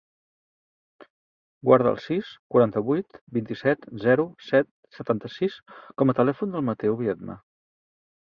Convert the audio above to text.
Guarda el sis, quaranta-vuit, vint-i-set, zero, set, setanta-sis com a telèfon del Matteo Viedma.